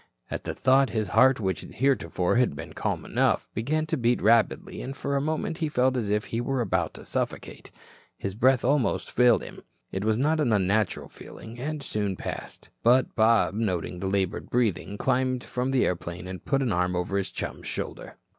At the thought, his heart which heretofore had been calm enough, began to beat rapidly and for a moment he felt as if he were about to suffocate. His breath almost failed him. It was a not unnatural feeling, and soon passed, but Bob noting the labored breathing climbed from the airplane and put an arm over his chum's shoulder.